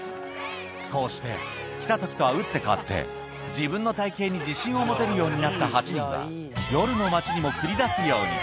こうして、来たときとは打って変わって自分の体形に自信を持てるようになった８人は、夜の街にも繰り出すように。